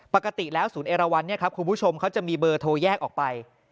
ปกติแล้วศูนย์เอราวันเนี่ยครับคุณผู้ชมเขาจะมีเบอร์โทรแยกออกไป